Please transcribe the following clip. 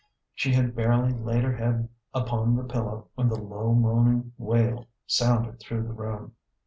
She had barely laid her head upon the pillow when the low moaning wail sounded through the room.